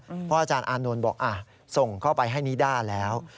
เพราะอาจารย์อานนท์บอกส่งเข้าไปให้นิด้าแล้ว